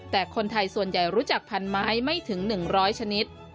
แต่คนไทยส่วนใหญ่รู้จักพันไม้ไม่ถึง๑๐๐ชนิด